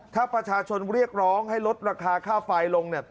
ถ้าประชาชนเรียกร้องให้ลดราคาค่าไฟลงเนี่ย